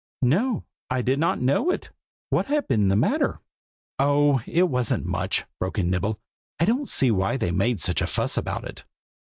"No I did not know it! What had been the matter?" "Oh! it wasn't much!" broke in Nibble: "I don't see why they made such a fuss about it.